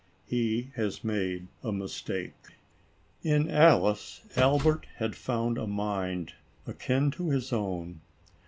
He has made a mistake. In Alice, Albert had found a mind, akin to his own.